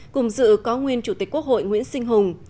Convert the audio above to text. cùng dự có nguyên chủ tịch quốc hội nguyễn sinh hùng